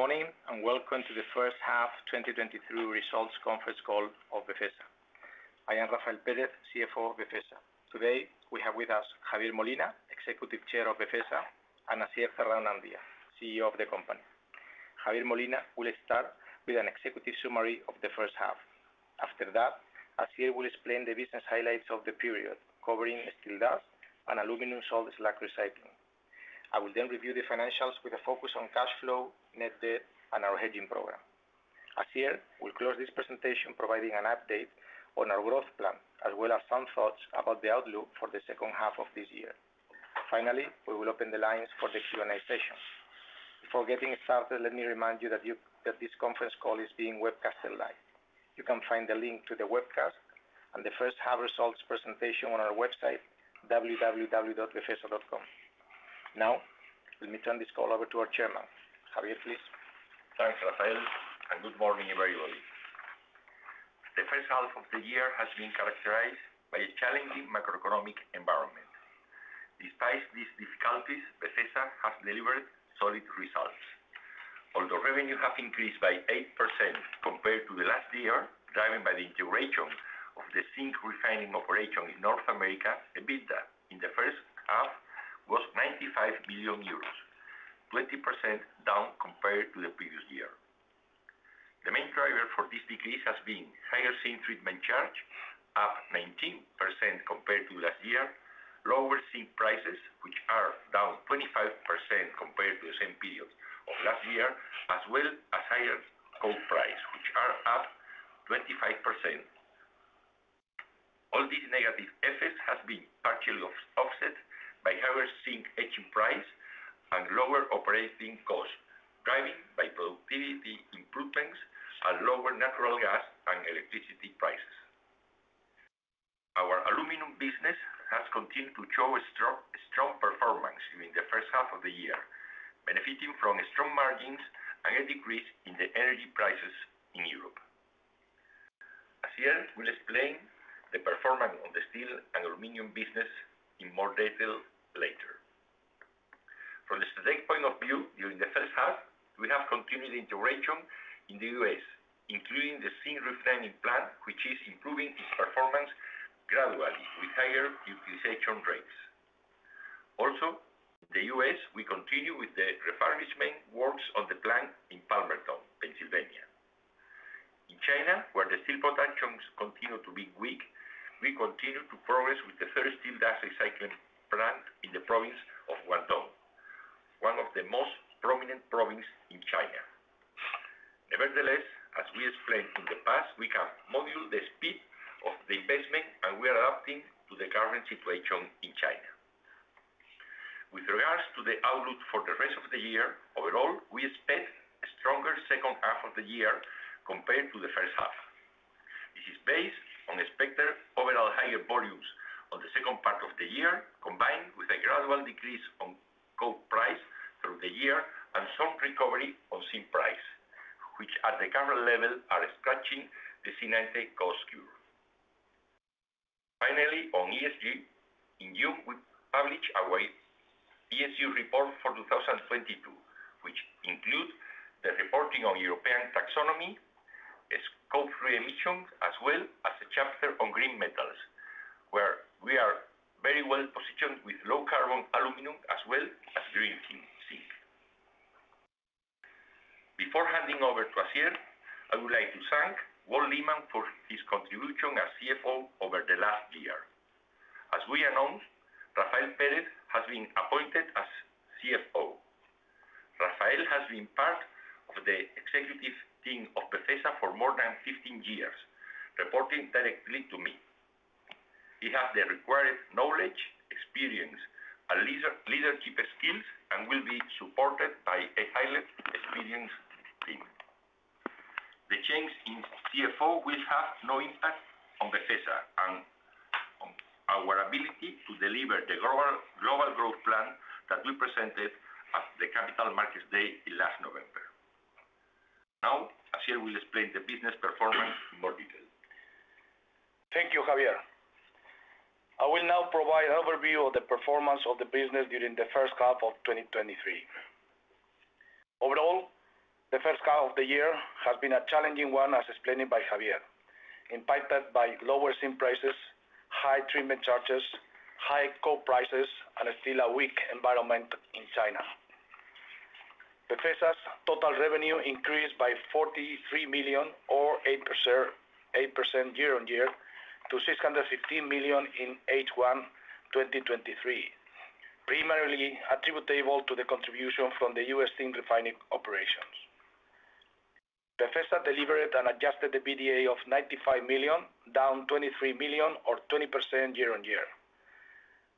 Good morning, welcome to the First Half 2023 results conference call of Befesa. I am Rafael Pérez, CFO of Befesa. Today, we have with us Javier Molina, Executive Chair of Befesa, and Asier Zarraonandía, CEO of the company. Javier Molina will start with an executive summary of the first half. After that, Asier will explain the business highlights of the period, covering steel dust and aluminum salt slag recycling. I will review the financials with a focus on cash flow, net debt, and our hedging program. Asier will close this presentation, providing an update on our growth plan, as well as some thoughts about the outlook for the second half of this year. Finally, we will open the lines for the Q&A session. Before getting started, let me remind you that this conference call is being webcasted live. You can find the link to the webcast and the first half results presentation on our website, www.befesa.com. Let me turn this call over to our chairman. Javier, please. Thanks, Rafael. Good morning, everybody. The first half of the year has been characterized by a challenging macroeconomic environment. Despite these difficulties, Befesa has delivered solid results. Although revenue have increased by 8% compared to the last year, driven by the integration of the zinc refining operation in North America, EBITDA in the first half was 95 million euros, 20% down compared to the previous year. The main driver for this decrease has been higher zinc treatment charge, up 19% compared to last year, lower zinc prices, which are down 25% compared to the same period of last year, as well as higher coal price, which are up 25%. All these negative effects has been partially off-offset by higher zinc hedging price and lower operating costs, driving by productivity improvements and lower natural gas and electricity prices. Our aluminum business has continued to show a strong performance during the first half of the year, benefiting from strong margins and a decrease in the energy prices in Europe. Asier will explain the performance of the steel and aluminum business in more detail later. From the strategic point of view, during the first half, we have continued integration in the U.S., including the zinc refining plant, which is improving its performance gradually with higher utilization rates. The U.S., we continue with the refurbishment works on the plant in Palmerton, Pennsylvania. In China, where the steel productions continue to be weak, we continue to progress with the first steel dust recycling plant in the province of Guangdong, one of the most prominent province in China. Nevertheless, as we explained in the past, we can modulate the speed of the investment. We are adapting to the current situation in China. With regards to the outlook for the rest of the year, overall, we expect a stronger second half of the year compared to the first half. This is based on expected overall higher volumes on the second part of the year, combined with a gradual decrease on coal price through the year and some recovery on zinc price, which at the current level, are scratching the zinc cost curve. Finally, on ESG, in June we published our ESG report for 2022, which include the reporting on EU Taxonomy, Scope 3 emissions, as well as a chapter on green metals, where we are very well positioned with low-carbon aluminum as well as green zinc. Before handing over to Asier, I would like to thank Wolf Lehmann for his contribution as CFO over the last year. As we announced, Rafael Pérez has been appointed as CFO. Rafael has been part of the executive team of Befesa for more than 15 years, reporting directly to me. He has the required knowledge, experience, and leadership skills, and will be supported by a highly experienced team. The change in CFO will have no impact on Befesa and on our ability to deliver the global growth plan that we presented at the Capital Markets Day last November. Now, Asier will explain the business performance in more detail. Thank you, Javier. I will now provide an overview of the performance of the business during the first half of 2023. Overall, the first half of the year has been a challenging one, as explained by Javier, impacted by lower zinc prices, high treatment charges, high coal prices, and still a weak environment in China. Befesa's total revenue increased by 43 million or 8% year-on-year to 615 million in H1 2023, primarily attributable to the contribution from the US zinc refining operations. Befesa delivered an adjusted EBITDA of 95 million, down 23 million or 20% year-on-year.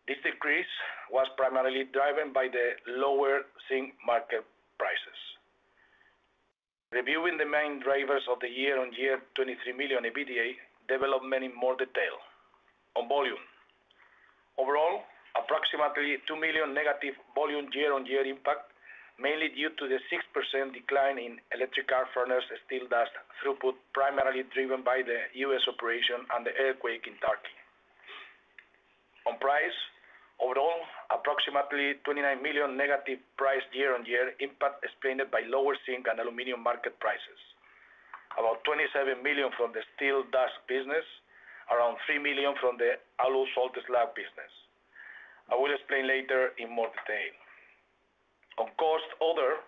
This decrease was primarily driven by the lower zinc market prices. Reviewing the main drivers of the year-on-year, 23 million EBITDA develop many more detail. On volume, overall, approximately 2 million negative volume year-on-year impact, mainly due to the 6% decline in electric arc furnace steel dust throughput, primarily driven by the U.S. operation and the earthquake in Turkey. Price overall, approximately 29 million negative price year-on-year impact explained by lower zinc and aluminum market prices. About 27 million from the steel dust business, around 3 million from the aluminum salt slag business. I will explain later in more detail. On cost, other,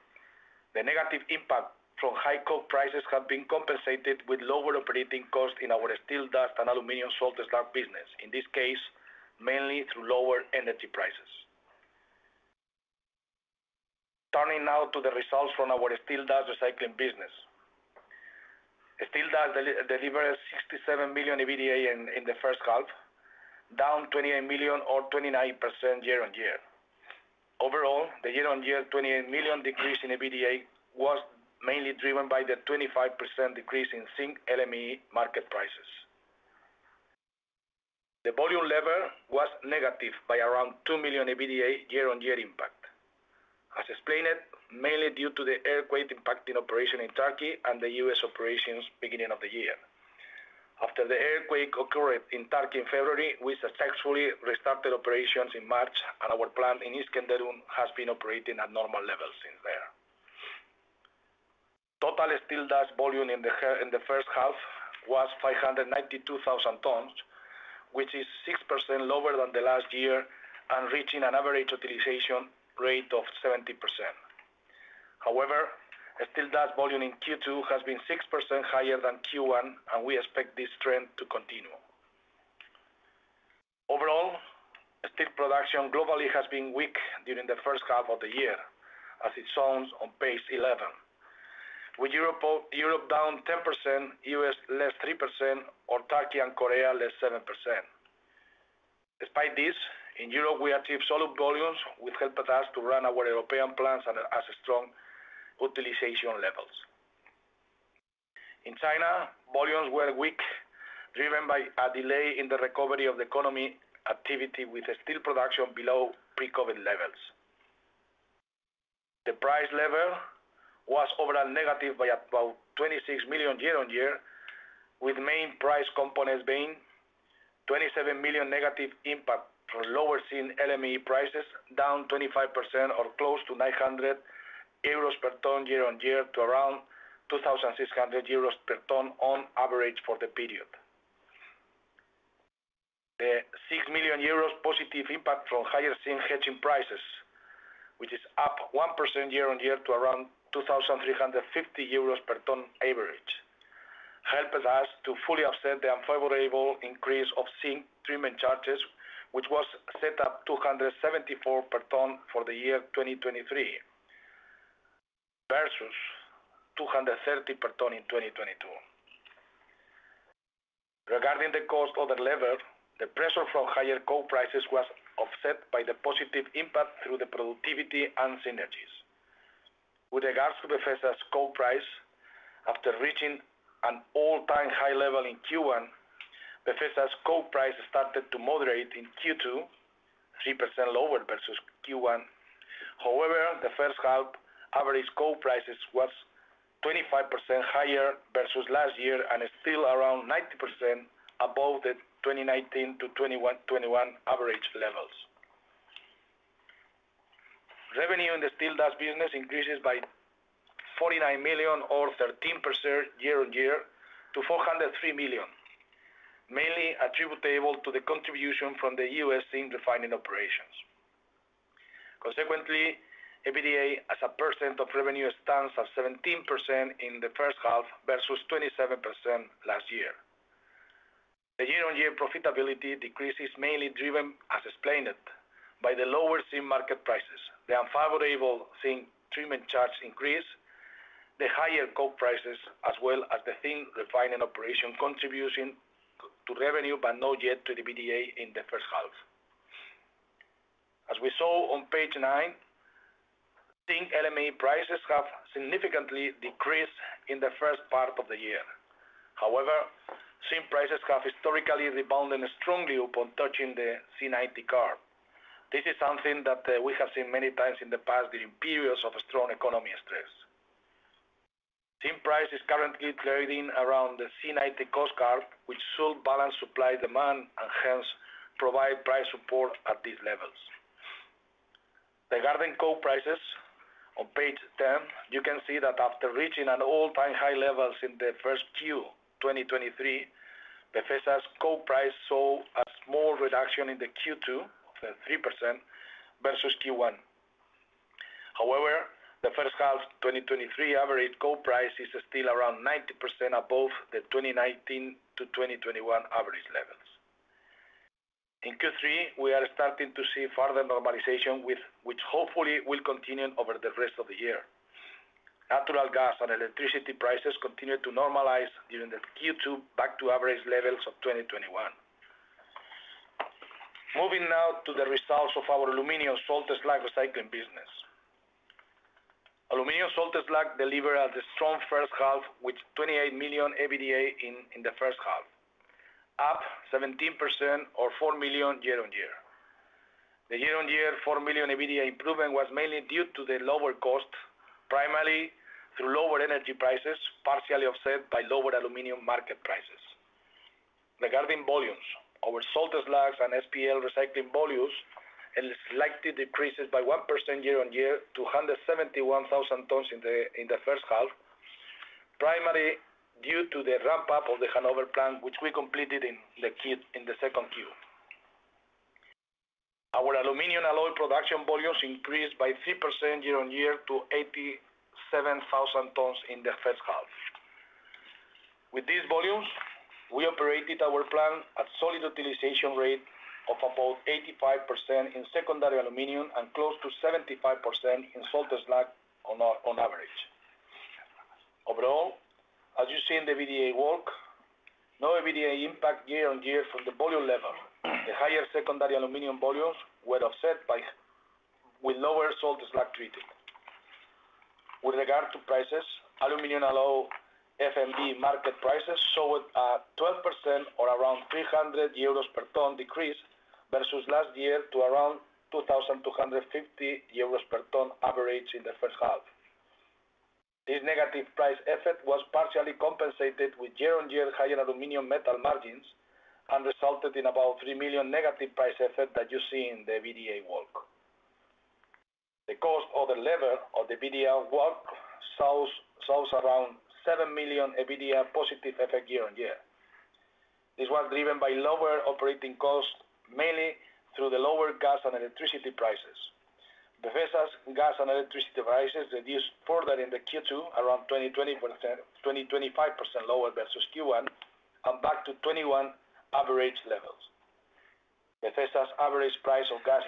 the negative impact from high coke prices have been compensated with lower operating costs in our steel dust and aluminum salt slag business, in this case, mainly through lower energy prices. Turning now to the results from our steel dust recycling business. Steel dust delivered 67 million EBITDA in the first half, down 28 million or 29% year-on-year. Overall, the year-on-year 28 million decrease in EBITDA was mainly driven by the 25% decrease in zinc LME market prices. The volume level was negative by around 2 million EBITDA year-on-year impact. As explained, mainly due to the earthquake impacting operation in Turkey and the U.S. operations beginning of the year. After the earthquake occurred in Turkey in February, we successfully restarted operations in March, and our plant in Iskenderun has been operating at normal levels since there. Total steel dust volume in the first half was 592,000 tons, which is 6% lower than the last year and reaching an average utilization rate of 70%. However, steel dust volume in Q2 has been 6% higher than Q1, and we expect this trend to continue. Overall, steel production globally has been weak during the first half of the year, as it shows on page 11, with Europe down 10%, U.S. less 3%, or Turkey and Korea less 7%. Despite this, in Europe, we achieved solid volumes, which helped us to run our European plants at strong utilization levels. In China, volumes were weak, driven by a delay in the recovery of the economy activity, with steel production below pre-COVID levels. The price level was overall negative by about 26 million year-on-year, with main price components being 27 million negative impact from lower zinc LME prices, down 25% or close to 900 euros per ton year-on-year to around 2,600 euros per ton on average for the period. The 6 million euros positive impact from higher zinc hedging prices, which is up 1% year-on-year to around 2,350 euros per ton average, helped us to fully offset the unfavorable increase of zinc treatment charges, which was set up 274 per ton for the year 2023, versus 230 per ton in 2022. Regarding the cost of the level, the pressure from higher coal prices was offset by the positive impact through the productivity and synergies. With regards to the Befesa's coal price, after reaching an all-time high level in Q1, the Befesa's coal price started to moderate in Q2, 3% lower versus Q1. However, the first half average coal prices was 25% higher versus last year and is still around 90% above the 2019-2021 average levels. Revenue in the steel dust business increases by 49 million or 13% year-on-year to 403 million, mainly attributable to the contribution from the US zinc refining operations. Consequently, EBITDA as a percent of revenue stands at 17% in the first half, versus 27% last year. The year-on-year profitability decrease is mainly driven, as explained, by the lower zinc market prices, the unfavorable zinc treatment charge increase, the higher coal prices, as well as the zinc refining operation contribution to revenue, but not yet to the EBITDA in the first half. As we saw on page 9, zinc LME prices have significantly decreased in the first part of the year. Zinc prices have historically rebounded strongly upon touching the C90 curve. This is something that we have seen many times in the past during periods of strong economy stress. Zinc price is currently trading around the C90 cost curve, which should balance supply, demand, and hence provide price support at these levels. Regarding coal prices, on page 10, you can see that after reaching an all-time high level in the 1Q 2023, Befesa's coal price saw a small reduction in the Q2 of 3% versus Q1. The first half 2023 average coal price is still around 90% above the 2019-2021 average levels. In Q3, we are starting to see further normalization, which hopefully will continue over the rest of the year. Natural gas and electricity prices continue to normalize during the Q2 back to average levels of 2021. Moving now to the results of our Aluminium salt slag recycling business. Aluminium Salt Slags delivered a strong first half, with 28 million EBITDA in the first half, up 17% or 4 million year-on-year. The year-on-year 4 million EBITDA improvement was mainly due to the lower cost, primarily through lower energy prices, partially offset by lower aluminium market prices. Regarding volumes, our salt slag and SPL recycling volumes slightly decreases by 1% year-on-year to 171,000 tons in the first half, primarily due to the ramp-up of the Hannover plant, which we completed in the Q2. Our aluminium alloy production volumes increased by 3% year-on-year to 87,000 tons in the first half. With these volumes, we operated our plant at solid utilization rate of about 85% in secondary aluminium and close to 75% in salt slag on average. Overall, as you see in the EBITDA walk, no EBITDA impact year-on-year from the volume level. The higher secondary aluminum volumes were offset with lower salt slag treated. With regard to prices, aluminum alloy FMD market prices showed a 12% or around 300 euros per ton decrease versus last year to around 2,250 euros per ton average in the first half. This negative price effect was partially compensated with year-on-year higher aluminum metal margins and resulted in about 3 million negative price effect that you see in the EBITDA walk. The cost or the level of the EBITDA walk shows around 7 million EBITDA positive effect year-on-year. This was driven by lower operating costs, mainly through the lower gas and electricity prices. Befesa's gas and electricity prices reduced further in the Q2, around 20%-25% lower versus Q1, and back to 2021 average levels. Befesa's average price of gas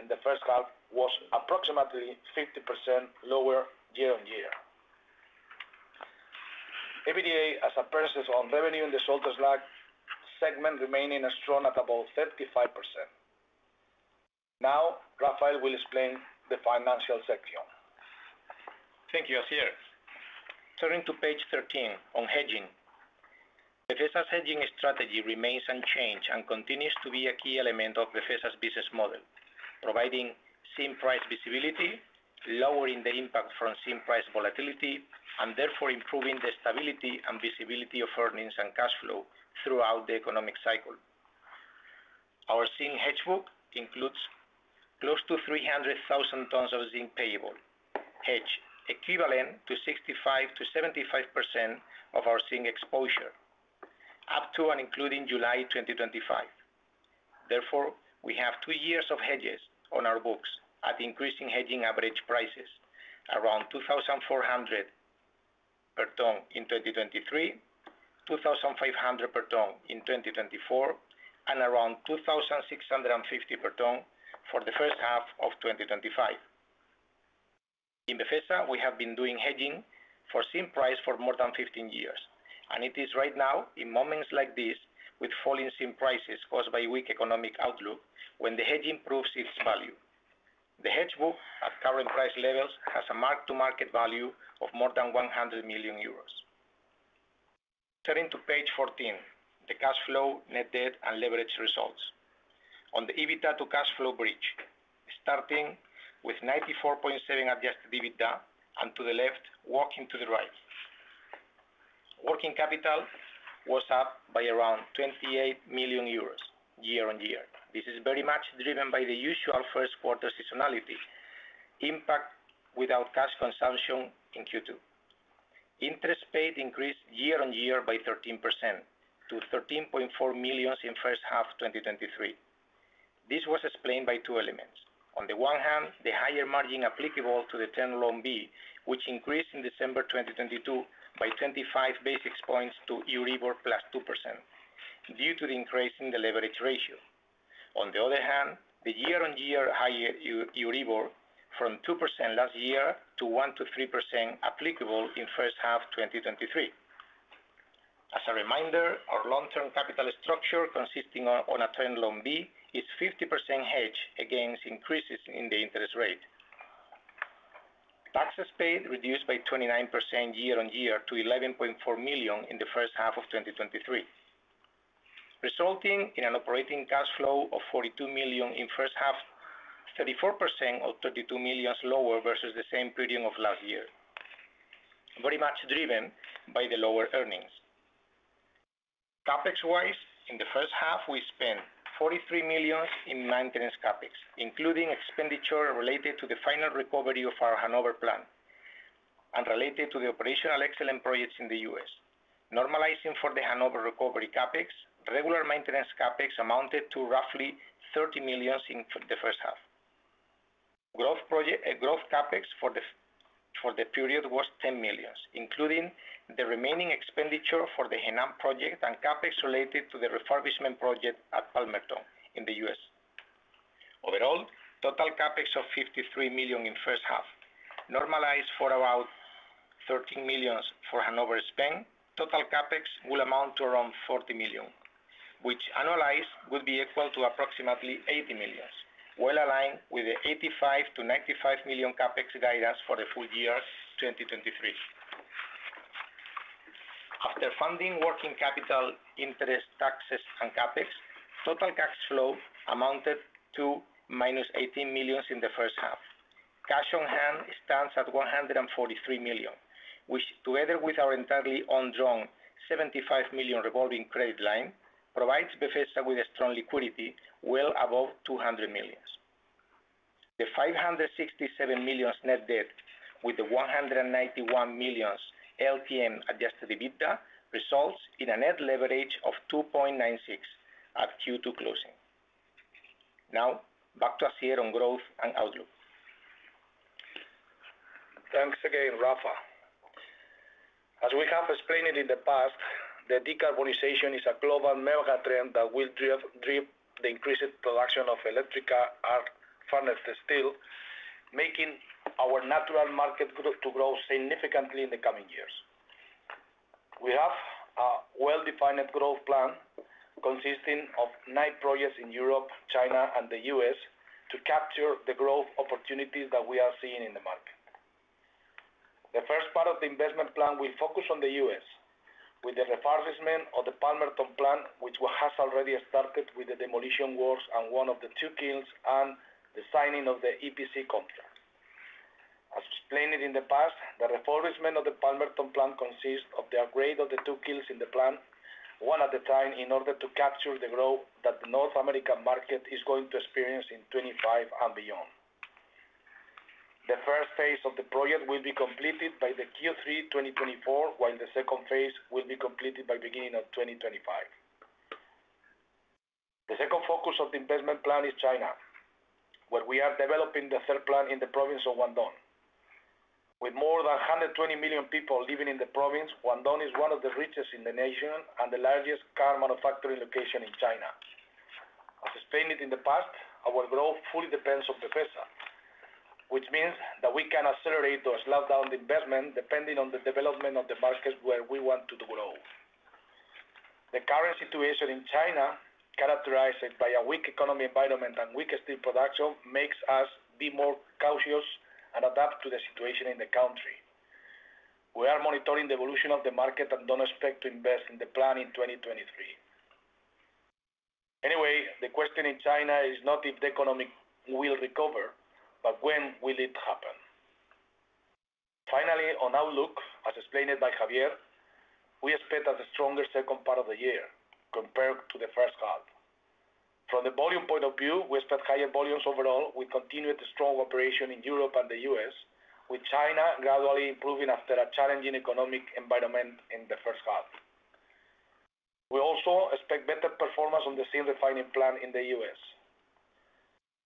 in the first half was approximately 50% lower year-on-year. EBITDA, as a percentage on revenue in the Salt Slag segment, remaining strong at about 35%. Rafael will explain the financial section. Thank you, Javier. Turning to page 13 on hedging. Befesa's hedging strategy remains unchanged and continues to be a key element of Befesa's business model, providing zinc price visibility, lowering the impact from zinc price volatility, and therefore improving the stability and visibility of earnings and cash flow throughout the economic cycle. Our zinc hedge book includes close to 300,000 tons of zinc payable, hedged, equivalent to 65%-75% of our zinc exposure, up to and including July 2025. We have two years of hedges on our books at increasing hedging average prices, around 2,400 per ton in 2023, 2,500 per ton in 2024, and around 2,650 per ton for the first half of 2025. In Befesa, we have been doing hedging for zinc price for more than 15 years, and it is right now, in moments like this, with falling zinc prices caused by weak economic outlook, when the hedging proves its value. The hedge book, at current price levels, has a mark-to-market value of more than 100 million euros. Turning to page 14, the cash flow, net debt, and leverage results. On the EBITDA to cash flow bridge, starting with 94.7 adjusted EBITDA, and to the left, walking to the right. Working capital was up by around 28 million euros year-on-year. This is very much driven by the usual Q1 seasonality impact without cash consumption in Q2. Interest paid increased year-on-year by 13% to 13.4 million in first half 2023. This was explained by two elements. The higher margin applicable to the Term Loan B, which increased in December 2022, by 25 basis points to Euribor + 2%, due to the increase in the leverage ratio. On the other hand, the year-on-year higher Euribor from 2% last year to 1%-3% applicable in first half, 2023. As a reminder, our long-term capital structure, consisting on a Term Loan B, is 50% hedged against increases in the interest rate. Taxes paid reduced by 29% year-on-year to 11.4 million in the first half of 2023, resulting in an operating cash flow of 42 million in first half, 34% or 32 million lower versus the same period of last year. Very much driven by the lower earnings. CapEx wise, in the first half, we spent 43 million in maintenance CapEx, including expenditure related to the final recovery of our Hannover plant and related to the operational excellent projects in the US Normalizing for the Hannover recovery CapEx, regular maintenance CapEx amounted to roughly 30 million in the first half. Growth CapEx for the period was 10 million, including the remaining expenditure for the Henan project and CapEx related to the refurbishment project at Palmerton in the US Overall, total CapEx of 53 million in first half, normalized for about 13 million for Hannover spend, total CapEx will amount to around 40 million, which annualized, will be equal to approximately 80 million. Well aligned with the 85 million-95 million CapEx guidance for the full year 2023. After funding working capital, interest, taxes, and CapEx, total cash flow amounted to minus 18 million in the first half. Cash on hand stands at 143 million, which together with our entirely undrawn 75 million revolving credit line, provides Befesa with a strong liquidity well above 200 million. The 567 million net debt, with the 191 million LTM adjusted EBITDA, results in a net leverage of 2.96 at Q2 closing. Now back to Asier on growth and outlook. Thanks again, Rafa. As we have explained in the past, the decarbonization is a global mega trend that will drive the increased production of electric arc furnace steel, making our natural market grow significantly in the coming years. We have a well-defined growth plan consisting of nine projects in Europe, China, and the U.S., to capture the growth opportunities that we are seeing in the market. The first part of the investment plan will focus on the U.S., with the refurbishment of the Palmerton plant, which has already started with the demolition works on one of the two kilns and the signing of the EPC contract. As explained in the past, the refurbishment of the Palmerton plant consists of the upgrade of the two kilns in the plant, one at a time, in order to capture the growth that the North American market is going to experience in 25 and beyond. The first phase of the project will be completed by the Q3, 2024, while the second phase will be completed by beginning of 2025. The second focus of the investment plan is China, where we are developing the third plant in the province of Guangdong. With more than 120 million people living in the province, Guangdong is one of the richest in the nation and the largest car manufacturing location in China. As explained in the past, our growth fully depends on Befesa, which means that we can accelerate or slow down the investment depending on the development of the markets where we want to grow. The current situation in China, characterized by a weak economy environment and weaker steel production, makes us be more cautious and adapt to the situation in the country. We are monitoring the evolution of the market and don't expect to invest in the plan in 2023. Anyway the question in China is not if the economy will recover, but when will it happen? On outlook, as explained by Javier, we expect a stronger second part of the year compared to the first half. From the volume point of view, we expect higher volumes overall. We continue with the strong operation in Europe and the U.S., with China gradually improving after a challenging economic environment in the first half. We also expect better performance on the zinc refining plant in the U.S.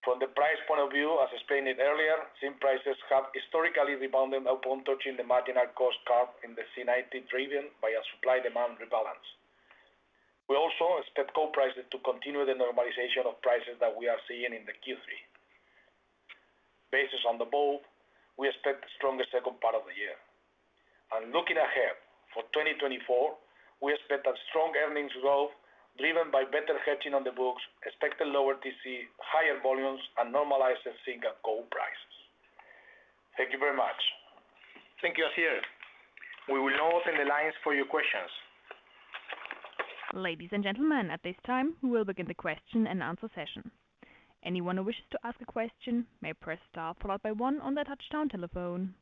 From the price point of view, as explained earlier, zinc prices have historically rebounded upon touching the marginal cost curve in the C90, driven by a supply-demand rebalance. We also expect coal prices to continue the normalization of prices that we are seeing in the Q3. Basis on the both, we expect a stronger second part of the year. Looking ahead, for 2024, we expect a strong earnings growth, driven by better hedging on the books, expected lower TC, higher volumes, and normalized zinc and gold prices. Thank you very much. Thank you, Asier. We will now open the lines for your questions. Ladies and gentlemen, at this time, we will begin the question-and-answer session. Anyone who wishes to ask a question may press star followed by one on their touchtone telephone.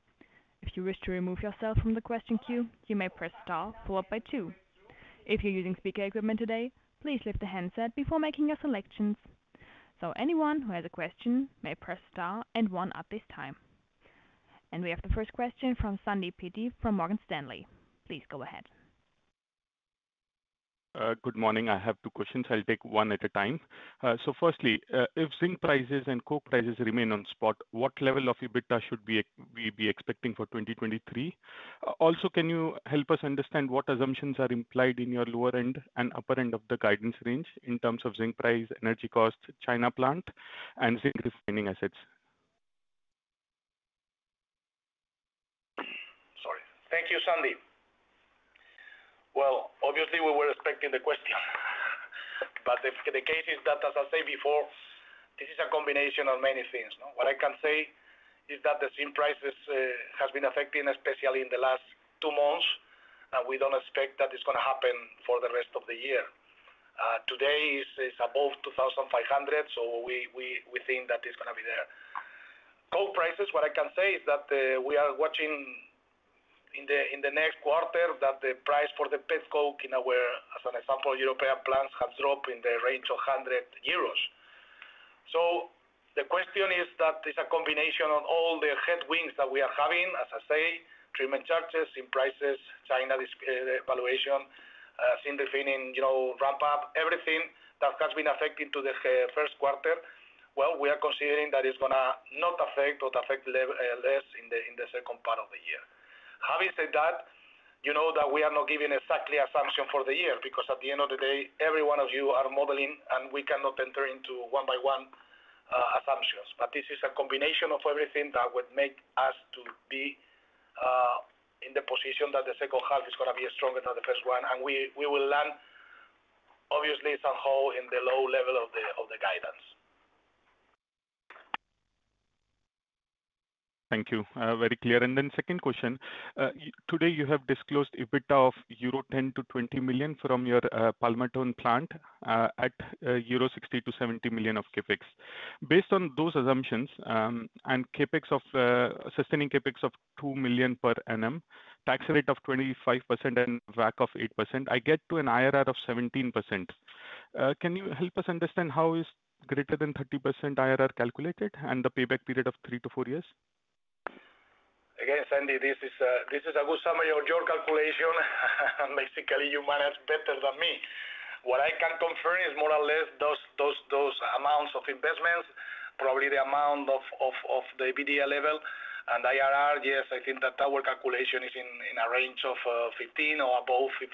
If you wish to remove yourself from the question queue, you may press star followed by two. If you're using speaker equipment today, please lift the handset before making your selections. Anyone who has a question may press star and one at this time. We have the first question from Sandeep Peety from Morgan Stanley. Please go ahead. Good morning. I have two questions. I'll take one at a time. Firstly, if zinc prices and coke prices remain on spot, what level of EBITDA should we be expecting for 2023? Can you help us understand what assumptions are implied in your lower end and upper end of the guidance range in terms of zinc price, energy costs, China plant and zinc refining assets? Sorry. Thank you, Sandeep Peety. Well, obviously, we were expecting the question. The case is that, as I said before, this is a combination of many things no? What I can say is that the zinc prices has been affected, especially in the last two months, and we don't expect that it's going to happen for the rest of the year. Today is above 2,500, we think that it's going to be there. Coke prices, what I can say is that we are watching in the next quarter, that the price for the petcoke, you know, where, as an example, European plants have dropped in the range of 100 euros. The question is that it's a combination of all the headwinds that we are having, as I say, treatment charges, zinc prices, China valuation, zinc refining, you know, ramp up, everything that has been affected to the Q1. We are considering that it's gonna not affect or affect less in the second part of the year. Having said that, you know that we are not giving exactly assumption for the year, because at the end of the day, every one of you are modeling, and we cannot enter into one by one assumptions. This is a combination of everything that would make us to be in the position that the second half is gonna be stronger than the first one. We will land obviously somehow in the low level of the guidance. Thank you, very clear. Second question, today you have disclosed EBITDA of 10 million-20 million euro from your Palmerton plant at euro 60-70 million of CapEx. Based on those assumptions, and CapEx of sustaining CapEx of 2 million per NM, tax rate of 25% and WACC of 8%, I get to an IRR of 17%. Can you help us understand how is greater than 30% IRR calculated and the payback period of three to four years? Sandeep, this is a good summary of your calculation. Basically, you manage better than me. What I can confirm is more or less those amounts of investments, probably the amount of the EBITDA level and IRR. Yes, I think that our calculation is in a range of 15 or above 15.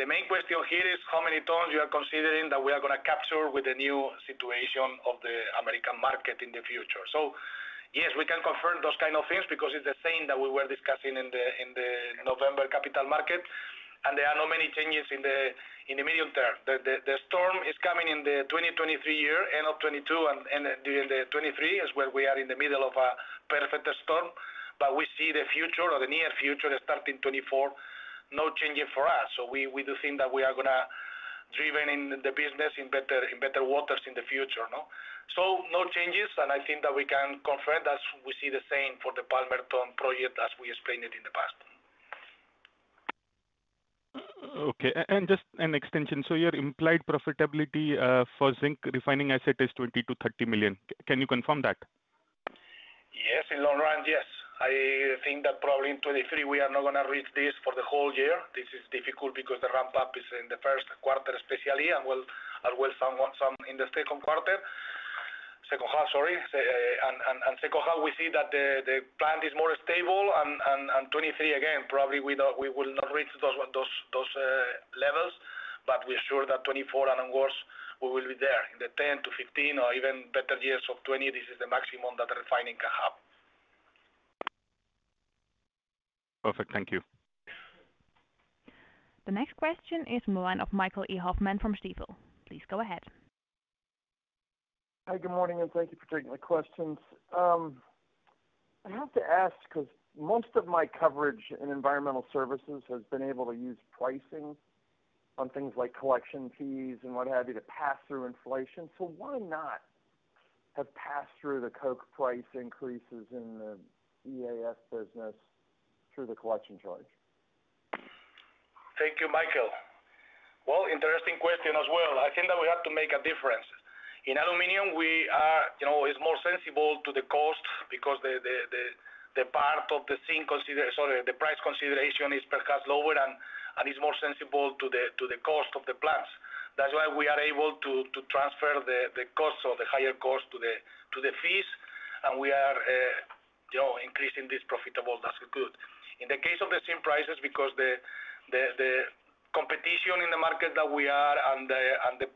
The main question here is how many tons you are considering that we are going to capture with the new situation of the American market in the future. Yes, we can confirm those kind of things because it's the same that we were discussing in the November Capital Market. There are not many changes in the medium term. The storm is coming in the 2023-year, end of 2022 and during the 2023 is where we are in the middle of a perfect storm. But we see the future or the near future starting 2024, no changing for us. We do think that we are going to driven in the business in better waters in the future, no? No changes, and I think that we can confirm that we see the same for the Palmerton project as we explained it in the past. Just an extension. Your implied profitability for zinc refining asset is 20 million-30 million. Can you confirm that? Yes, in long run, yes. I think that probably in 2023, we are not going to reach this for the whole year. This is difficult because the ramp up is in the Q1, especially, I will ramp up some in the Q2. Second half, sorry. Second half, we see that the plant is more stable and 2023, again, probably we will not reach those levels, but we're sure that 2024 and onwards, we will be there. In the 10-15 or even better years of 20, this is the maximum that refining can have. Perfect. Thank you. The next question is from the line of Michael E. Hoffman from Stifel. Please go ahead. Hi, good morning, and thank you for taking my questions. I have to ask, because most of my coverage in environmental services has been able to use pricing on things like collection fees and what have you, to pass through inflation. Why not have passed through the coke price increases in the EAF business through the collection charge? Thank you, Michael. Well interesting question as well. I think that we have to make a difference. In aluminium, we are you know, is more sensible to the cost because the part of the zinc sorry, the price consideration is perhaps lower and is more sensible to the cost of the plants. That's why we are able to transfer the costs or the higher cost to the fees, and we are, you know, increasing this profitable. That's good. In the case of the same prices, because the competition in the market that we are and the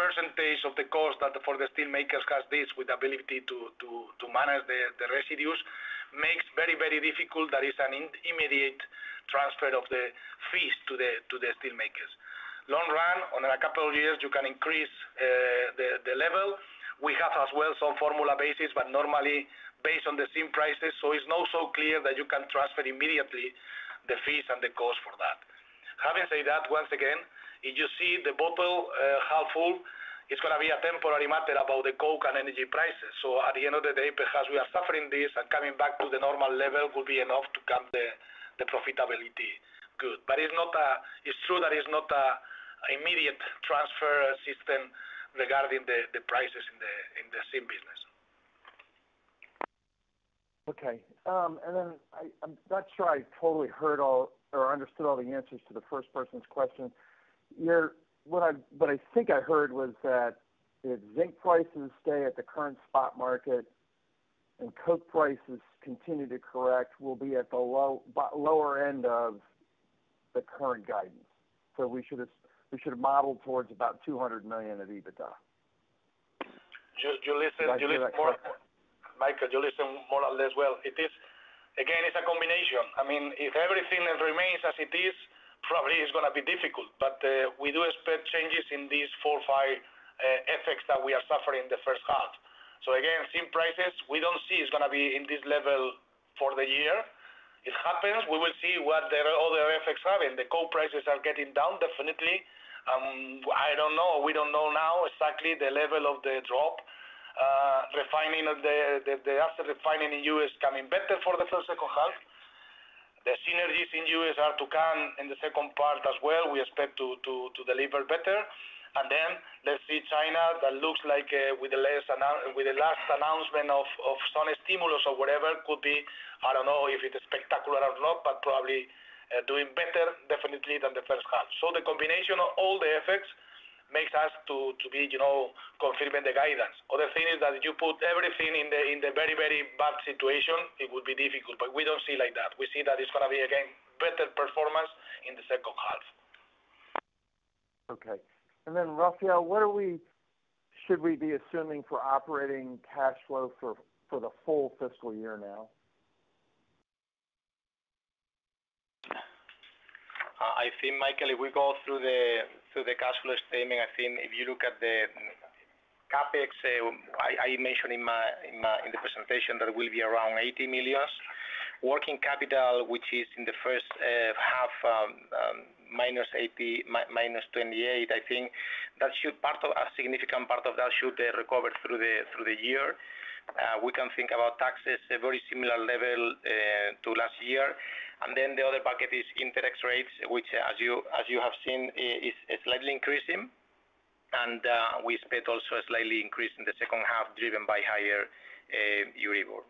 percentage of the cost that for the steelmakers has this, with the ability to manage the residues, makes very difficult. That is an immediate transfer of the fees to the steelmakers. Long run, on a couple of years, you can increase the level. We have as well some formula basis, but normally based on the same prices. It's not so clear that you can transfer immediately the fees and the cost for that. Having said that once again, if you see the bottle half full it's going to be a temporary matter about the coke and energy prices. At the end of the day, because we are suffering this and coming back to the normal level, will be enough to come the profitability. Good. It's true that it's not an immediate transfer system regarding the prices in the same business. Okay, I'm not sure I totally heard all or understood all the answers to the first person's question. What I, what I think I heard was that if zinc prices stay at the current spot market and coke prices continue to correct, we'll be at the low, but lower end of the current guidance. We should have modeled towards about 200 million of EBITDA. You listen. Did I get that correct? Michael, you listen more or less. It's a combination. I mean, if everything remains as it is, probably it's going to be difficult, but we do expect changes in these four or five effects that we are suffering in the first half. Same prices, we don't see it's going to be in this level for the year. It happens, we will see what the other effects are. The coal prices are getting down, definitely. I don't know. We don't know now exactly the level of the drop, refining of the after refining in U.S. coming better for the first second half. The synergies in U.S. are to come in the second part as well. We expect to deliver better. And then let's see China, that looks like, with the last announcement of some stimulus or whatever, could be, I don't know if it's a spectacular or not, but probably, doing better definitely than the first half. The combination of all the effects makes us to be, you know, confirming the guidance. Other thing is that if you put everything in the, in the very, very bad situation, it would be difficult, but we don't see like that. We see that it's going to be, again, better performance in the second half. Okay. Then, Asier should we be assuming for operating cash flow for the full fiscal year now? I think, Michael, if we go through the cash flow statement, I think if you look at the CapEx, I mentioned in my presentation that it will be around 80 million. Working capital, which is in the first half, -28, I think a significant part of that should recover through the year. We can think about taxes, a very similar level to last year. The other bucket is interest rates, which as you have seen, is slightly increasing. And the we expect also a slightly increase in the second half, driven by higher Euribor.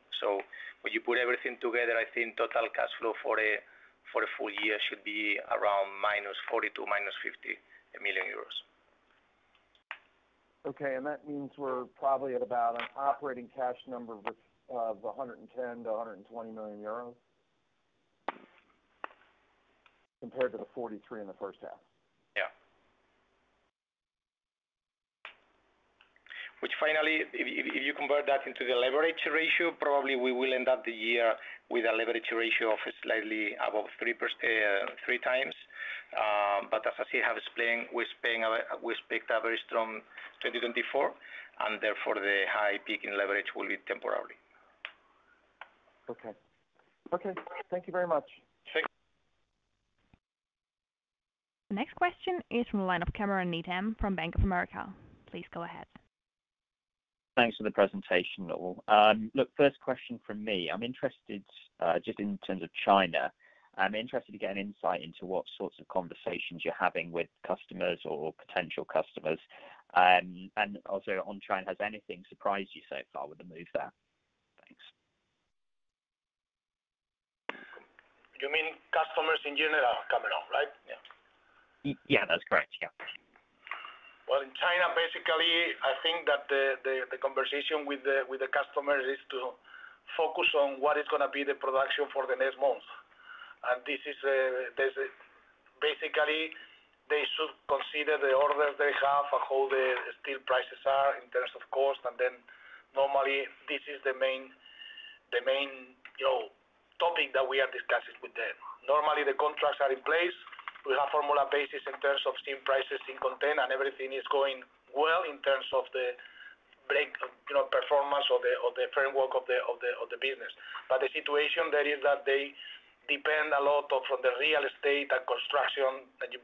When you put everything together, I think total cash flow for the full year should be around -40 million - -50 million euros. That means we're probably at about an operating cash number of 110 million-120 million euros? Compared to the 43 in the first half. Yeah. Which finally, if you convert that into the leverage ratio, probably we will end up the year with a leverage ratio of slightly above 3x. As I have explained, we expect a very strong 2024, and therefore, the high peak in leverage will be temporarily. Okay. Okay, thank you very much. Thank you. The next question is from the line of Cameron Nathan from Bank of America. Please go ahead. Thanks for the presentation, Rafael. Look, first question from me. I'm interested, just in terms of China, I'm interested to get an insight into what sorts of conversations you're having with customers or potential customers. Also on China, has anything surprised you so far with the move there? Thanks. You mean customers in general, Cameron, right? Yeah. Yeah, that's correct. Yeah. Well, in China, basically, I think that the conversation with the customers is to focus on what is gonna be the production for the next month. This is basically, they should consider the orders they have and how the steel prices are in terms of cost. Normally, this is the main, you know, topic that we are discussing with them. Normally, the contracts are in place. We have formula basis in terms of steel prices in container. Everything is going well in terms of the break, you know, performance or the framework of the business. The situation there is that they depend a lot from the real estate and construction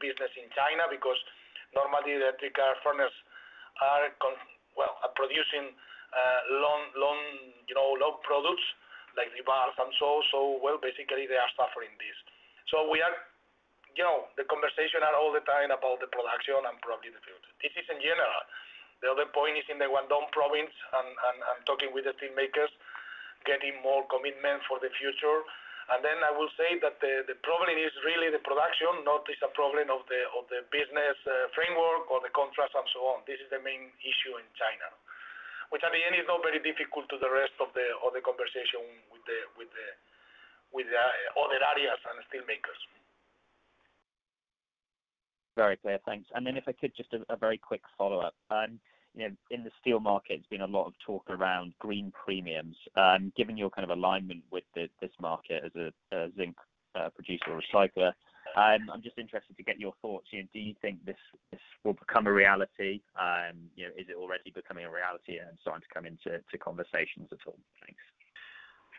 business in China, because normally, the electric furnace are producing, long, you know, long products like the bars and so, well, basically, they are suffering this. You know, the conversation are all the time about the production and product delivery. This is in general. The other point is in the Guangdong province and talking with the team makers, getting more commitment for the future. I will say that the problem is really the production, not is a problem of the business framework or the contracts and so on. This is the main issue in China, which in the end, is not very difficult to the rest of the conversation with the other areas and the steel makers. Very clear. Thanks. If I could, just a very quick follow-up. You know, in the steel market, there's been a lot of talk around green premiums. Given your kind of alignment with this market as a zinc producer recycler, I'm just interested to get your thoughts. You know, do you think this will become a reality? You know, is it already becoming a reality and starting to come into conversations at all? Thanks.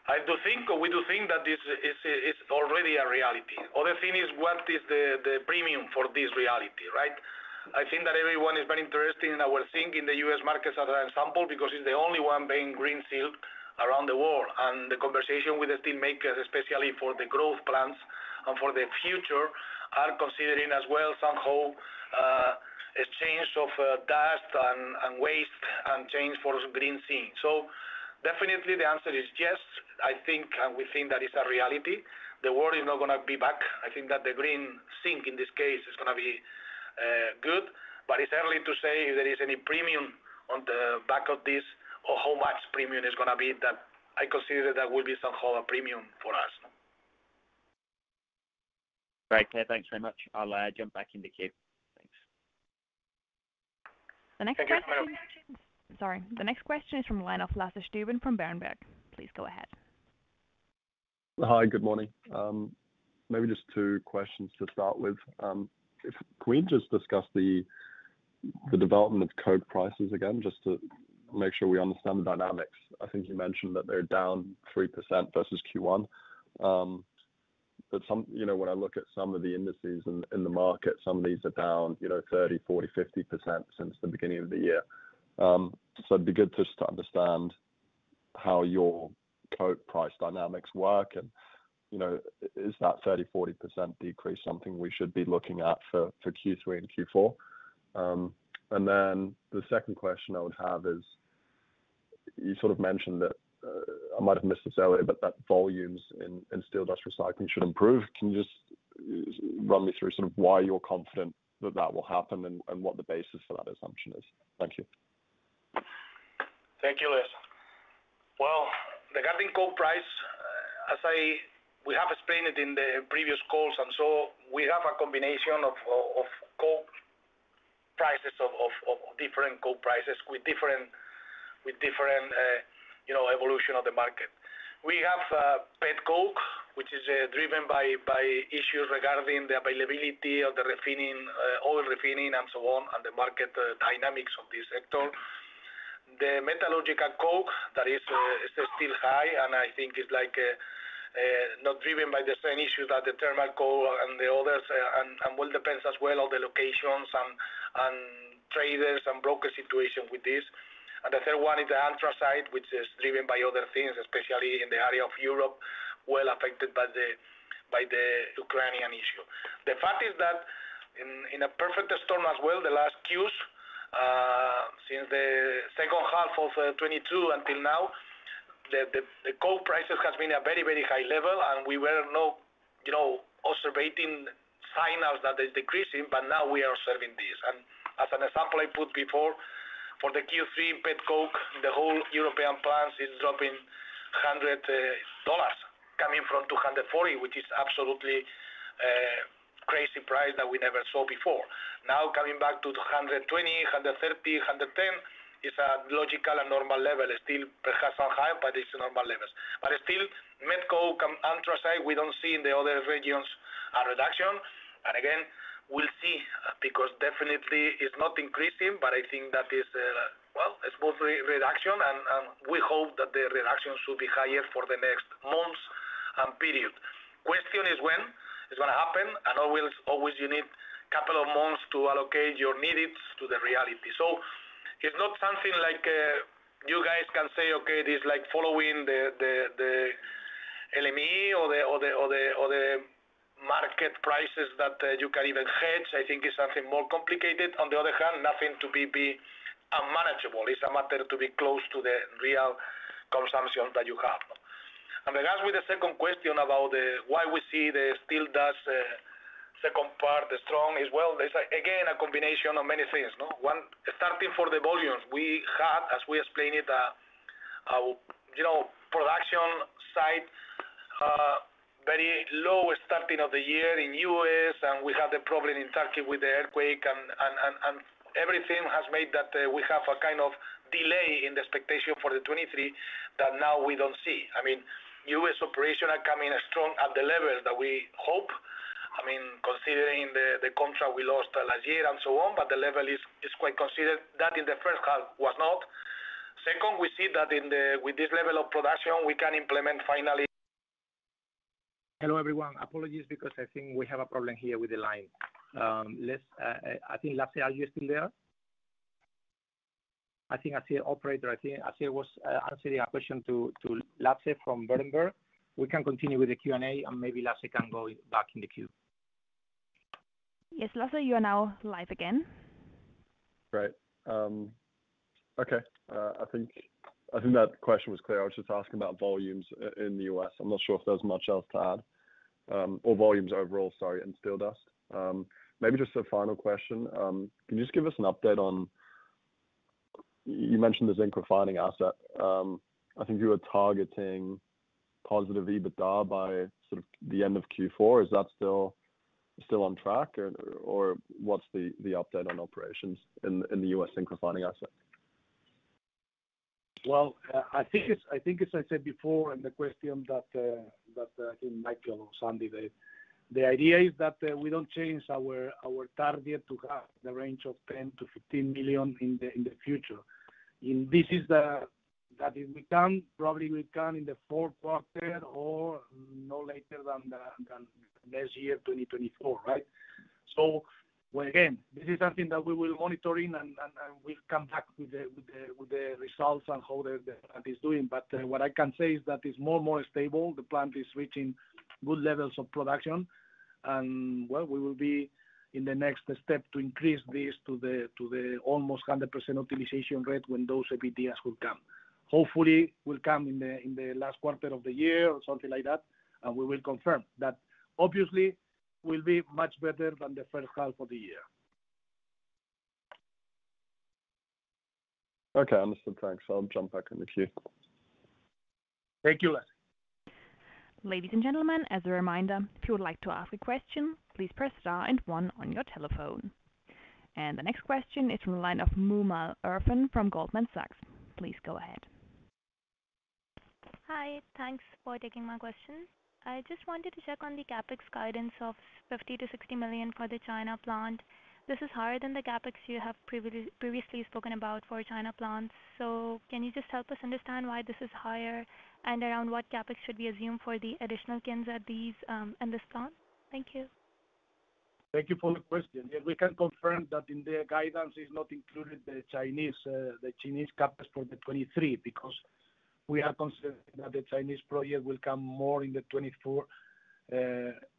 I do think, or we do think that this is already a reality. Other thing is what is the premium for this reality, right? I think that everyone is very interested in our think in the US market as an example, because it's the only one being green field around the world. The conversation with the steel makers, especially for the growth plans and for the future, are considering as well somehow, exchange of dust and waste and change for green zinc. Definitely the answer is yes. I think, and we think that is a reality. The world is not gonna be back. I think that the green zinc, in this case, is gonna be good, but it's early to say if there is any premium on the back of this or how much premium is gonna be, that I consider that will be somehow a premium for us. Great. Yeah, thanks very much. I'll jump back in the queue. Thanks. Thank you, Cameron. Sorry. The next question is from the line of Lasse Stüben from Berenberg. Please go ahead. Hi, good morning. Maybe just two questions to start with. If can we just discuss the development of coke prices again, just to make sure we understand the dynamics. I think you mentioned that they're down 3% versus Q1. You know, when I look at some of the indices in the market, some of these are down, you know, 30%, 40%, 50% since the beginning of the year. It'd be good just to understand how your coke price dynamics work and, you know, is that 30%, 40% decrease something we should be looking at for Q3 and Q4? The second question I would have is, you sort of mentioned that, I might have missed this earlier, but that volumes in steel dust recycling should improve. Can you just run me through sort of why you're confident that that will happen and what the basis for that assumption is? Thank you. Thank you, Lasse. Well, regarding coke price, as we have explained it in the previous calls, we have a combination of different coke prices with different, you know, evolution of the market. We have petcoke, which is driven by issues regarding the availability of the refining, oil refining and so on, and the market dynamics of this sector. The metallurgical coke that is still high, I think it's like not driven by the same issues that the thermal coke and the others, and well, depends as well on the locations and traders and broker situation with this. The third one is the anthracite, which is driven by other things, especially in the area of Europe, well affected by the Ukrainian issue. The fact is that in a perfect storm as well, the last Qs, since the second half of 2022 until now, the coke prices has been at a very high level, and we were not, you know, observing signals that is decreasing, but now we are observing this. As an example, I put before, for the Q3 petcoke, the whole European plants is dropping $100, coming from $240, which is absolutely crazy price that we never saw before. Now, coming back to $220, $130, $110, is a logical and normal level. It's still perhaps on high, but it's normal levels. Still, met coke and anthracite, we don't see in the other regions a reduction. Again, we'll see, because definitely it's not increasing, but I think that is, well, it's both reduction, and we hope that the reduction should be higher for the next months and period. Question is when it's gonna happen, and always you need couple of months to allocate your needs to the reality. It's not something like you guys can say, Okay, this is like following the LME or the market prices that you can even hedge. I think it's something more complicated. On the other hand, nothing to be unmanageable. It's a matter to be close to the real consumption that you have. As with the second question about why we see the steel dust, second part strong as well there's again a combination of many things, no? One, starting for the volumes. We had, as we explained it, you know, production side, very low starting of the year in U.S., and we had the problem in Turkey with the earthquake and everything has made that we have a kind of delay in the expectation for 23 that now we don't see. I mean, U.S. operation are coming strong at the levels that we hope. I mean, considering the contract we lost last year and so on, but the level is quite considered. That in the first half was not. Second, we see that with this level of production, we can implement finally- Hello, everyone. Apologies, because I think we have a problem here with the line. I think, Lasse, are you still there? I think I see an operator. I think I see it was answering a question to Lasse from Berenberg. We can continue with the Q&A, and maybe Lasse can go back in the queue. Yes, Lasse, you are now live again. Great. Okey I think that question was clear. I was just asking about volumes in the U.S. I'm not sure if there's much else to add, or volumes overall, sorryin steel dust. Maybe just a final question. Can you just give us an update on. You mentioned the zinc refining asset. I think you were targeting positive EBITDA by sort of the end of Q4. Is that still on track? Or what's the update on operations in the US zinc refining asset? Well, I think as I said before in the question that I think Michael or Sandy raised, the idea is that we don't change our target to have the range of 10 million-15 million in the future. This is that if we can probably we can in the fourth quarter or no later than next year 2024 right? Again, this is something that we will monitoring and we'll come back with the results on how the plant is doing. What I can say is that it's more stable. The plant is reaching good levels of production, and well, we will be in the next step to increase this to the almost 100% optimization rate when those EBITDAs will come. Hopefully, will come in the last quarter of the year or something like that. We will confirm. That obviously will be much better than the first half of the year. Okay, understood. Thanks. I'll jump back in the queue. Thank you, Lasse Stüben. Ladies and gentlemen, as a reminder, if you would like to ask a question, please press star and one on your telephone. The next question is from the line of Mubasher Irfan from Goldman Sachs. Please go ahead. Hi, thanks for taking my question. I just wanted to check on the CapEx guidance of 50 million-60 million for the China plant. This is higher than the CapEx you have previously spoken about for China plants. Can you just help us understand why this is higher? Around what CapEx should we assume for the additional Kinzer these in this plant? Thank you. Thank you for the question. Yeah, we can confirm that in the guidance is not included, the Chinese, the Chinese CapEx for 2023, because we are considering that the Chinese project will come more in 2024,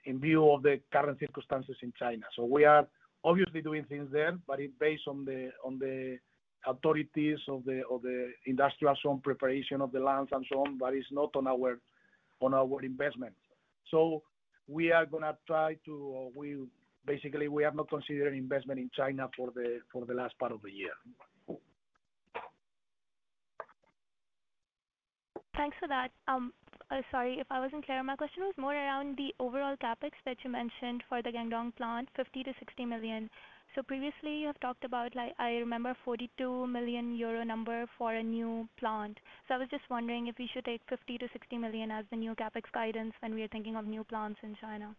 in view of the current circumstances in China. We are obviously doing things there, but it based on the, on the authorities of the of the industrial zone, preparation of the lands and so on, but it's not on our, on our investment. We are gonna try to we basically, we have not considered investment in China for the, for the last part of the year. Thanks for that. Sorry, if I wasn't clear, my question was more around the overall CapEx that you mentioned for the Guangdong plant, 50 million-60 million. Previously, you have talked about, like, I remember 42 million euro number for a new plant. I was just wondering if we should take 50 million-60 million as the new CapEx guidance when we are thinking of new plants in China?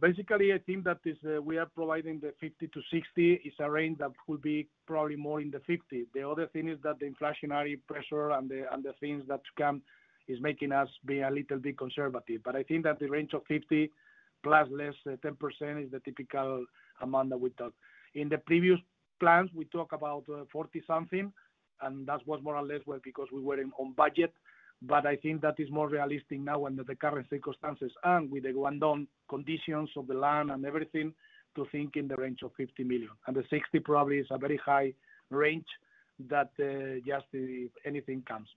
Basically, I think that is, we are providing the 50 million-60 million. It's a range that will be probably more in the 50 million. The other thing is that the inflationary pressure and the, and the things that come is making us be a little bit conservative. I think that the range of 50+ million, less 10% is the typical amount that we talk. In the previous plans, we talk about 40 million something, and that was more or less well because we were in on budget. I think that is more realistic now under the current circumstances, and with the Guangdong conditions of the land and everything, to think in the range of 50 million. The 60 million probably is a very high range that just if anything comes.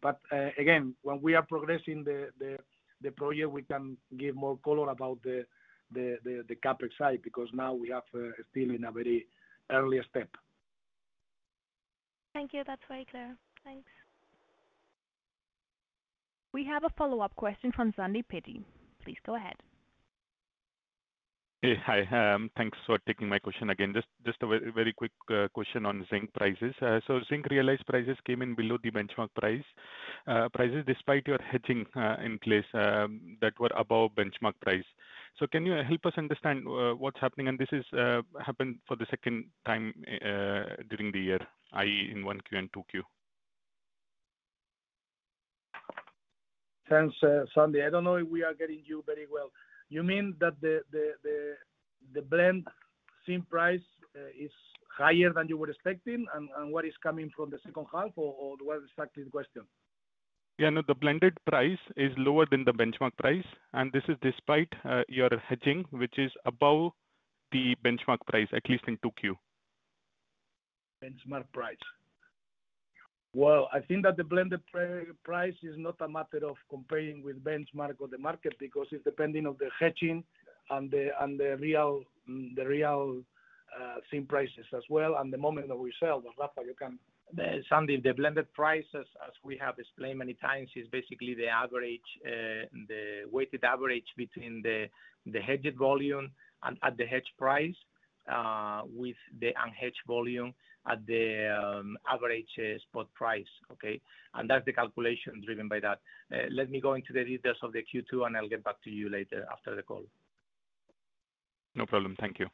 Again, when we are progressing the project, we can give more color about the CapEx side, because now we have still in a very earlier step. Thank you. That's very clear. Thanks. We have a follow-up question from Sandy Peety. Please go ahead. Hey. Hi, thanks for taking my question again. Just a very, very quick question on zinc prices. Zinc realized prices came in below the benchmark price prices, despite your hedging in place that were above benchmark price. Can you help us understand what's happening? This is happened for the second time during the year, ie., in 1Q and 2Q. Thanks, Sandy. I don't know if we are getting you very well. You mean that the blend zinc price is higher than you were expecting, and what is coming from the second half, or what exactly is the question? Yeah, no, the blended price is lower than the benchmark price, and this is despite your hedging, which is above the benchmark price, at least in 2Q. Benchmark price. Well, I think that the blended price is not a matter of comparing with benchmark or the market, because it's depending on the hedging and the real zinc prices as well, and the moment that we sell. Rafael, you can. Sandy, the blended prices, as we have explained many times, is basically the average, the weighted average between the hedged volume and at the hedge price, with the unhedged volume at the average spot price okay. That's the calculation driven by that. Let me go into the details of the Q2, and I'll get back to you later after the call. No problem. Thank you.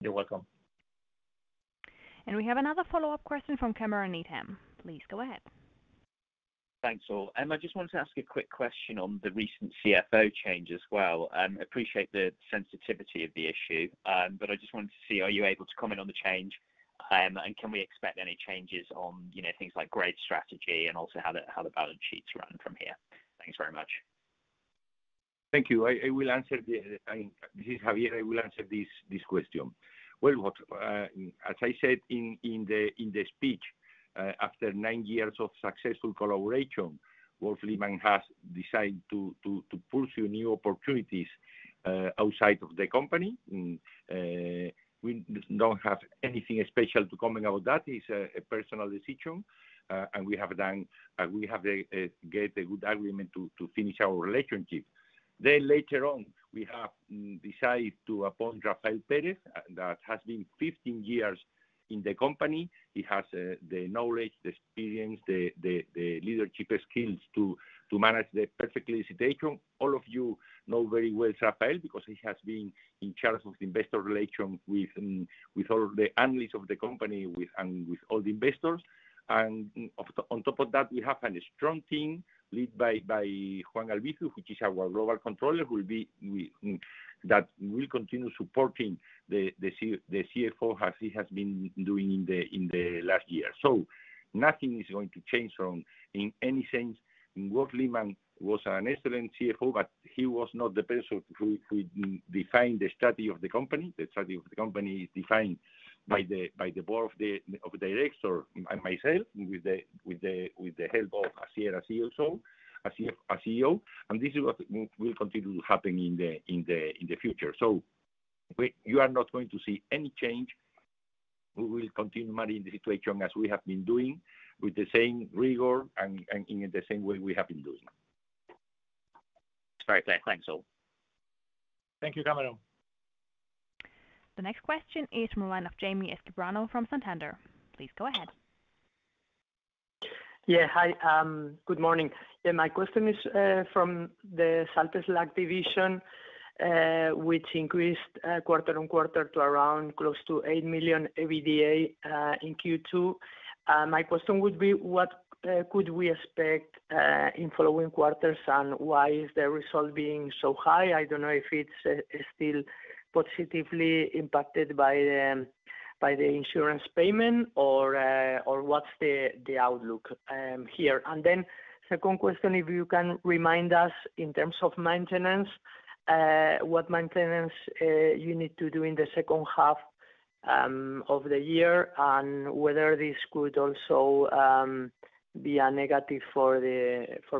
You're welcome. We have another follow-up question from Cameron Nathan. Please go ahead. Thanks, all. I just wanted to ask a quick question on the recent CFO change as well. Appreciate the sensitivity of the issue, I just wanted to see, are you able to comment on the change? Can we expect any changes on, you know, things like grade strategy and also how the balance sheets run from here? Thanks very much. Thank you. I will answer the. This is Javier. I will answer this question. Well, what, as I said in the speech, after nine years of successful collaboration, Wolf Lehmann has decided to pursue new opportunities outside of the company. We don't have anything special to comment about that. It's a personal decision, and we have a good agreement to finish our relationship. Later on, we have decided to appoint Rafael Pérez, that has been 15 years in the company. He has the knowledge, the experience, the leadership skills to manage the perfectly situation. All of you know very well, Rafael, because he has been in charge of the investor relations with all the analysts of the company, and with all the investors. On top of that, we have a strong team led by Juan Albizu, which is our global controller, who will be, that will continue supporting the CFO as he has been doing in the last year. Nothing is going to change from, in any sense. Wolf Lehmann was an excellent CFO, but he was not the person who defined the strategy of the company. The strategy of the company is defined by the board of the director, and myself, with the help of Asier also, as CEO, and this is what will continue to happen in the future. You are not going to see any change. We will continue managing the situation as we have been doing, with the same rigor and in the same way we have been doing. Very clear. Thanks, all. Thank you, Cameron. The next question is from line of Jaime Escribano from Santander. Please go ahead. Hi, good morning. My question is from the Salt Slag division, which increased quarter-on-quarter to around close to 8 million EBITDA in Q2. My question would be: What could we expect in following quarters, and why is the result being so high? I don't know if it's still positively impacted by the insurance payment or what's the outlook here? Second question, if you can remind us in terms of maintenance, what maintenance you need to do in the second half of the year, and whether this could also be a negative for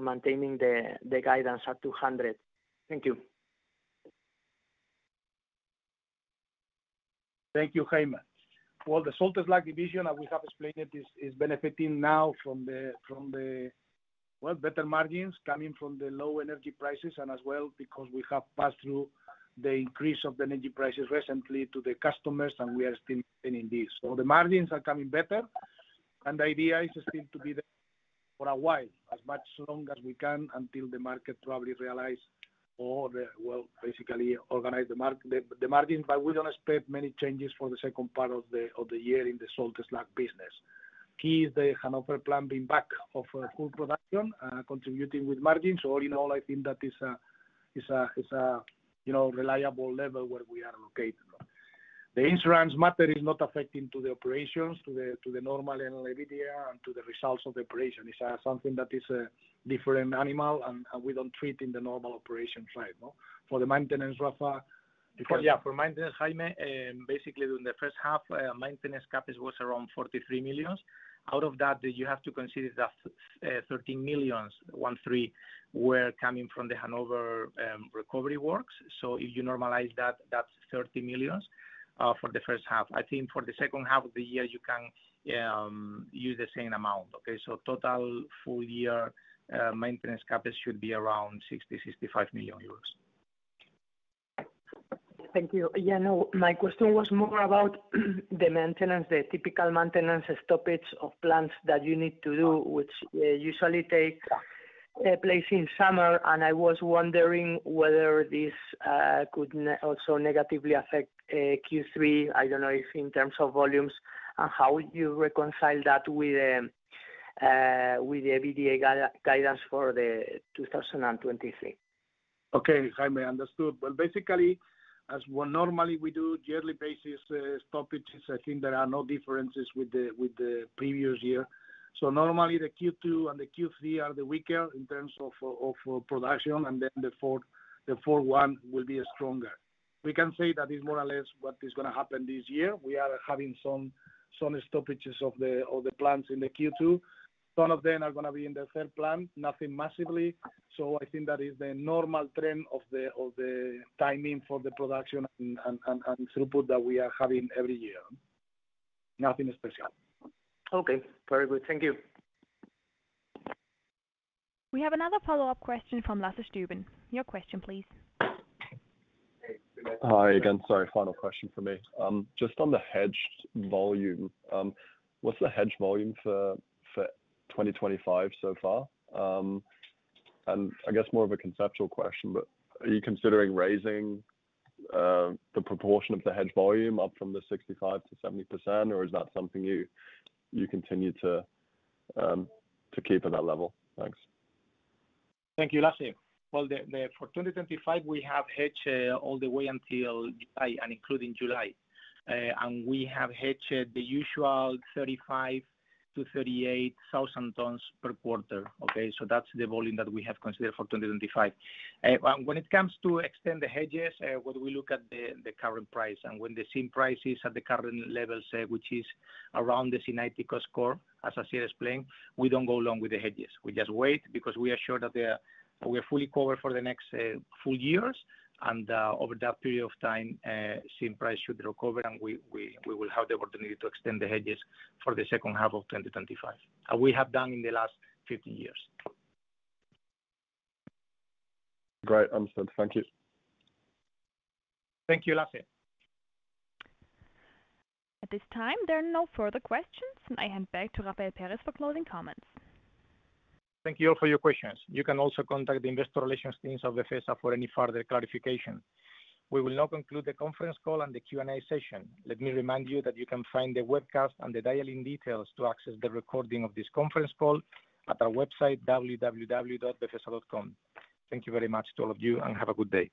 maintaining the guidance at 200 million. Thank you. Thank you, Jaime. Well, the Salt Slags division, as we have explained it, is benefiting now from the, well, better margins coming from the low energy prices and as well, because we have passed through the increase of the energy prices recently to the customers. We are still seeing this. The margins are coming better, and the idea is still to be there for a while, as much long as we can, until the market probably realize or the, well, basically organize the margins. We don't expect many changes for the second part of the year in the salt slag business. Key is the Hannover plant being back of full production, contributing with margins. All in all, I think that is a you know reliable level where we are located. The insurance matter is not affecting to the operations, to the normal annual EBITDA and to the results of the operation. It's something that is a different animal and we don't treat in the normal operations right, no? For the maintenance. For maintenance, Jaime, basically during the first half, maintenance CapEx was around 43 million. Out of that, you have to consider that 13 million were coming from the Hannover recovery works. If you normalize that's 30 million for the first half. I think for the second half of the year, you can use the same amount. Total full year, maintenance CapEx should be around 60 million-65 million euros. Thank you. Yeah, no, my question was more about the maintenance, the typical maintenance stoppage of plants that you need to do, which usually take place in summer, I was wondering whether this could also negatively affect Q3, I don't know if in terms of volumes, and how would you reconcile that with the EBITDA guidance for 2023? Okay, Jaime. Understood. Well, basically, as we normally do yearly basis stoppages, I think there are no differences with the previous year. Normally the Q2 and the Q3 are the weaker in terms of production, and then the fourth one will be stronger. We can say that is more or less what is gonna happen this year. We are having some stoppages of the plants in the Q2. Some of them are gonna be in the 3rd plant, nothing massively. I think that is the normal trend of the timing for the production and throughput that we are having every year. Nothing special. Okay, very good. Thank you. We have another follow-up question from Lasse Stüben. Your question, please. Hi again. Sorry, final question from me. Just on the hedged volume, what's the hedge volume for 2025 so far? I guess more of a conceptual question, but are you considering raising the proportion of the hedge volume up from the 65%-70%, or is that something you continue to keep at that level? Thanks. Thank you, Lasse. Well, for 2025, we have hedged all the way until July and including July. We have hedged the usual 35,000-38,000 tons per quarter. Okay, so that's the volume that we have considered for 2025. When it comes to extend the hedges, when we look at the current price and when the same price is at the current level, say, which is around the zinc cost curve, as I said, explained, we don't go along with the hedges. We just wait because we are sure that we are fully covered for the next full years. Over that period of time, same price should recover, and we will have the opportunity to extend the hedges for the second half of 2025, as we have done in the last 15 years. Great. Understood. Thank you. Thank you, Lasse. At this time, there are no further questions, and I hand back to Rafael Pérez for closing comments. Thank you all for your questions. You can also contact the investor relations teams of Befesa for any further clarification. We will now conclude the conference call and the Q&A session. Let me remind you that you can find the webcast and the dial-in details to access the recording of this conference call at our website, www.befesa.com. Thank you very much to all of you, and have a good day.